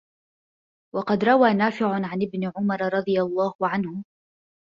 وَقَدْ رَوَى نَافِعٌ عَنْ ابْنِ عُمَرَ رَضِيَ اللَّهُ عَنْهُ